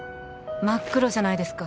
真っ黒じゃないですか